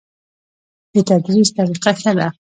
د تدریس طریقه ښه ده؟